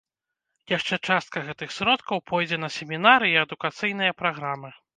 Яшчэ частка гэтых сродкаў пойдзе на семінары і адукацыйныя праграмы.